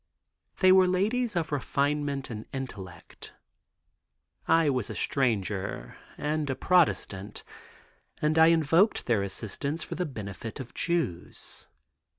They were ladies of refinement and intellect. I was a stranger and a Protestant, and I invoked their assistance for the benefit of Jews.